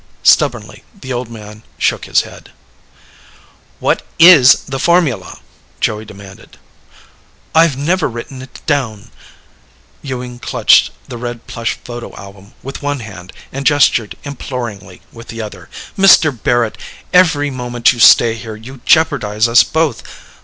Stubbornly, the old man shook his head. "What IS the formula?" Joey demanded. "I've never written it down." Ewing clutched the red plush photo album with one hand and gestured imploringly with the other. "Mr. Barrett, every moment you stay here, you jeopardize us both.